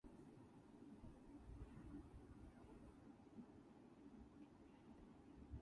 Long also mentioned that amongst Williams' supporters were Cate Blanchett and Ralph Myers.